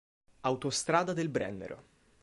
Autostrada del Brennero